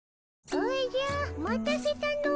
おじゃ待たせたの。